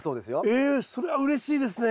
ええそれはうれしいですね！